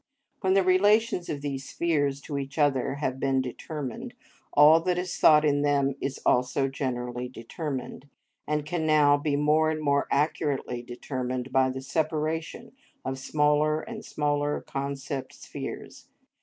When the relations of these spheres to each other have been determined, all that is thought in them is also generally determined, and can now be more and more accurately determined by the separation of smaller and smaller concept spheres.